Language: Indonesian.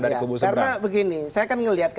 dari kubu segera karena begini saya kan melihat